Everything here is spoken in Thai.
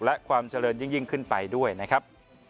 และความเจริญยิ่งขึ้นไปด้วยนะครับ